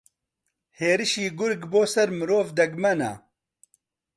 ھێرشی گورگ بۆسەر مرۆڤ دەگمەنە